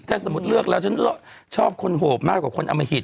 ถ้าสมมุติเลือกแล้วฉันชอบคนโหบมากกว่าคนอมหิต